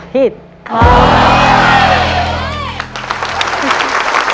คุณฝนจากชายบรรยาย